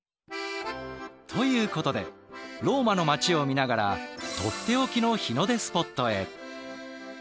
ということでローマの街を見ながらとっておきの日の出スポットへ。